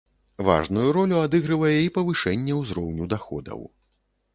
Важную ролю адыгрывае і павышэнне ўзроўню даходаў.